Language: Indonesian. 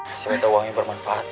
kasih mata uang yang bermanfaat